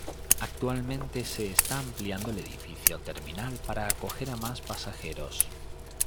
Actualmente se está ampliando el edificio terminal para acoger a más pasajeros.